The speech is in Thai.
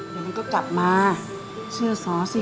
เดี๋ยวมันก็กลับมาเชื่อซ้าสิ